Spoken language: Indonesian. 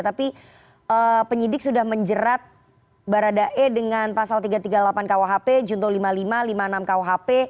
tapi penyidik sudah menjerat baradae dengan pasal tiga ratus tiga puluh delapan kuhp junto lima puluh lima lima puluh enam kuhp